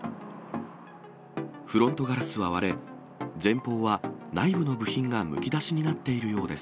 フロントガラスは割れ、前方は内部の部品がむき出しになっているようです。